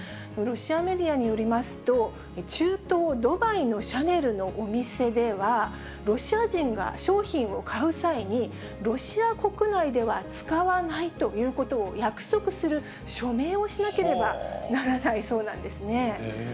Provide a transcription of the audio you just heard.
ロシアメディアによりますと、中東ドバイのシャネルのお店では、ロシア人が商品を買う際に、ロシア国内では使わないということを約束する署名をしなければならないそうなんですね。